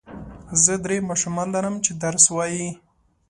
زه درې ماشومان لرم چې درس وايي.